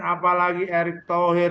apalagi erik thohir